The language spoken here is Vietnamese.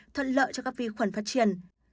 thuận lợi cho các vi khuẩn phát triển